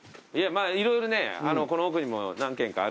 色々ねこの奥にも何軒かある。